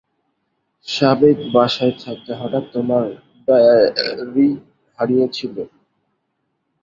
সাবেক বাসায় থাকতে হঠাৎ তোমার ডায়ারি হারিয়েছিল।